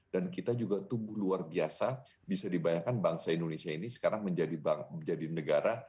dan kita juga tumbuh luar biasa bisa dibayangkan bangsa indonesia ini sekarang menjadi negara